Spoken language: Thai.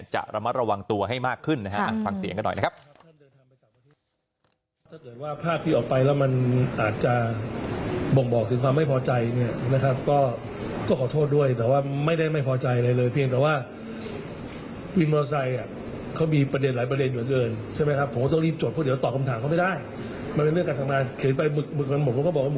จะระมัดระวังตัวให้มากขึ้นนะฮะฟังเสียงกันหน่อยนะครับ